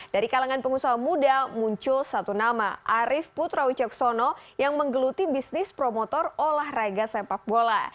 dari kalangan pengusaha muda muncul satu nama arief putra wicaksono yang menggeluti bisnis promotor olahraga sepak bola